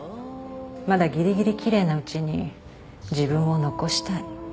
まだぎりぎり奇麗なうちに自分を残したい。